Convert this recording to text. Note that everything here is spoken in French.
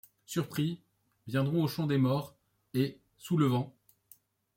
Surpris, viendront au champ des morts, et, soulevant